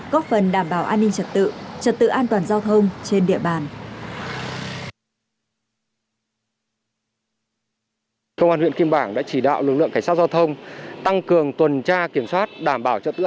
góp phần đảm bảo an ninh trật tự